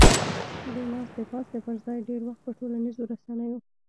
د ناستې پاستې پر ځای ډېر وخت په ټولنیزو رسنیو